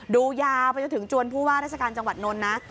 ยาวไปจนถึงจวนผู้ว่าราชการจังหวัดนนท์นะ